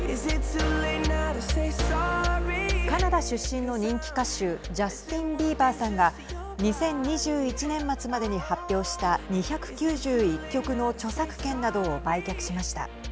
カナダ出身の人気歌手ジャスティン・ビーバーさんが２０２１年末までに発表した２９１曲の著作権などを売却しました。